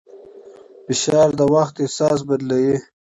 فشار د وخت احساس بدلوي.